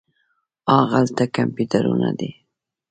هاغلته کمپیوټرونه دي.